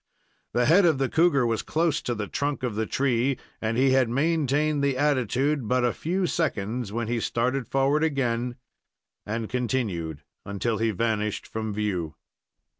The head of the cougar was close to the trunk of the tree, and he had maintained the attitude hut a few seconds when he started forward again and continued until he vanished from view.